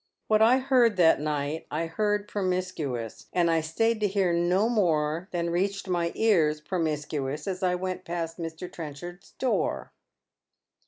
What I heard that night I heard promiscuous, and I stayed to hear no more than reached my ears promiscuous as I went past Mr. Trenchard's door."